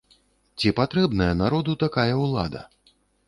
Ці патрэбная народу такая ўлада?